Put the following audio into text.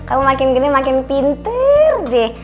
kamu makin gede makin pintar deh